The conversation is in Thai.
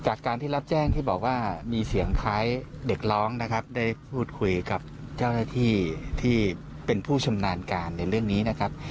จากการที่รับแจ้งที่บอกว่ามีเสียงคล้ายเด็กร้องนะครับได้พูดคุยกับเจ้าหน้าที่ที่เป็นผู้ชำนาญการในเรื่องนี้นะครับ